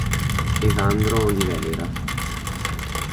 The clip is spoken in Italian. Evandro Oliveira